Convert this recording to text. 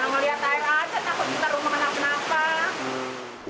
ya mau lihat air aja takut bisa rumah kenapa kenapa